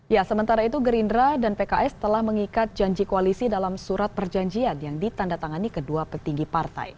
ya sementara itu gerindra dan pks telah mengikat janji koalisi dalam surat perjanjian yang ditanda tangani kedua petinggi partai